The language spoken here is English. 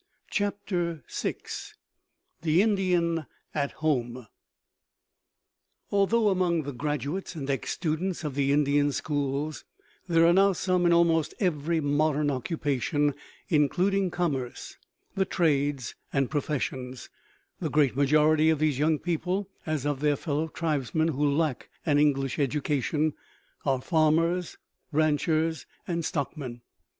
CHAPTER VI THE INDIAN AT HOME Although among the graduates and ex students of the Indian schools there are now some in almost every modern occupation, including commerce, the trades and professions, the great majority of these young people, as of their fellow tribesmen who lack an English education, are farmers, ranchers, and stockmen.